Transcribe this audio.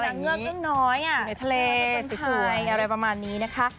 นางเงือกน้อยในทะเลสีสวยอะไรประมาณนี้นะคะ